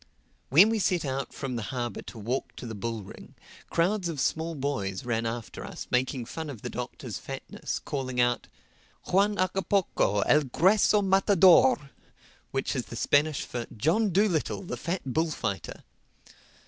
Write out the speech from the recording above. When we set out from the harbor to walk to the bull ring, crowds of small boys ran after us making fun of the Doctor's fatness, calling out, "Juan Hagapoco, el grueso matador!" which is the Spanish for, "John Dolittle, the fat bullfighter."